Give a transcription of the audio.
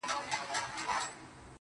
تامي د خوښۍ سترگي راوباسلې مړې دي كړې.